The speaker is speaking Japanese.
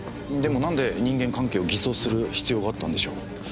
でもなんで人間関係を偽装する必要があったんでしょう。